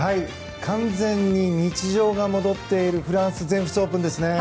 完全に日常が戻っているフランスの全仏オープンですね。